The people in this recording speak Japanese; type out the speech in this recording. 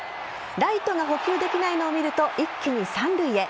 ライトが捕球できないのを見ると一気に三塁へ。